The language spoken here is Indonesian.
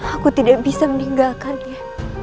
aku tidak bisa meninggalkannya